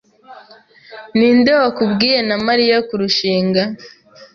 Ninde wakubwiye na Mariya kurushinga?